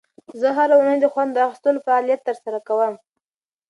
زه هره اونۍ د خوند اخیستلو فعالیت ترسره کوم.